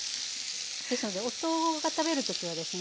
ですので夫が食べる時はですね